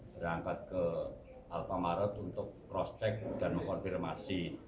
berangkat ke alpamaret untuk cross check dan mengonfirmasi